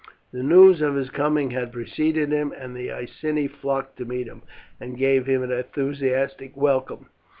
The news of his coming had preceded him, and the Iceni flocked to meet him, and gave him an enthusiastic welcome.